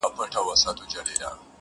د نسترن څڼو کي-